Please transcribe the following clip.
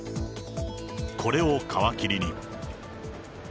これを皮切りに。